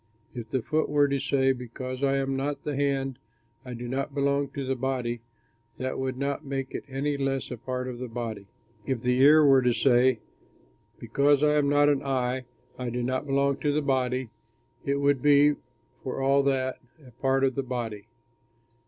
If the foot were to say, "Because I am not the hand I do not belong to the body," that would not make it any less a part of the body. If the ear were to say, "Because I am not an eye, I do not belong to the body," it would be, for all that, a part of the body.